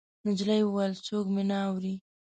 نجلۍ وويل: څوک مې نه اوري.